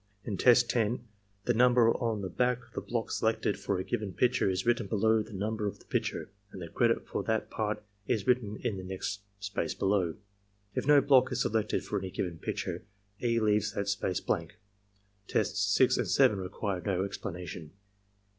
In test 10, the number on the back of the block selected for a given pictm^ is written below the number of the picture, and the credit for that part is written in the next space below. If no block is selected for any given picture, E. leaves that space blank. Tests 6 and 7 require no explanation.